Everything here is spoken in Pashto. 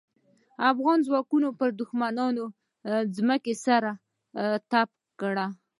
افغان ځواکونو پر دوښمنانو ځمکه سره تبۍ کړه.